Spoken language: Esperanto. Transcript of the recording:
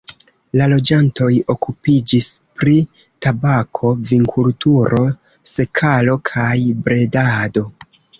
La loĝantoj okupiĝis pri tabako, vinkulturo, sekalo kaj bredado.